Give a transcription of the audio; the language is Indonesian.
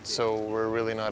jadi kami tidak takut